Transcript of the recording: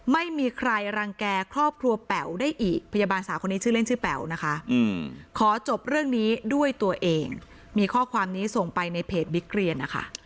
ไม่มีใครรังแก่ครอบครัวแป๋วได้อีกพยาบาลสาวคนนี้ชื่อเล่นชื่อแป๋วนะคะขอจบเรื่องนี้ด้วยตัวเองมีข้อความนี้ส่งไปในเพจบิ๊กเรียนนะคะ